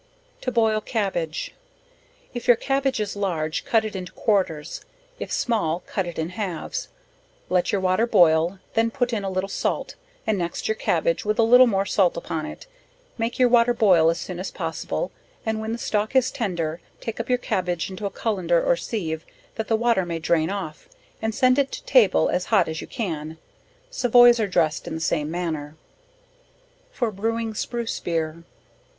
To boil Cabbage. If your cabbage is large, cut it into quarters; if small, cut it in halves; let your water boil, then put in a little salt, and next your cabbage with a little more salt upon it; make your water boil as soon as possible, and when the stalk is tender, take up your cabbage into a cullender, or sieve, that the water may drain off, and send it to table as hot as you can. Savoys are dressed in the same manner. For brewing Spruce Beer.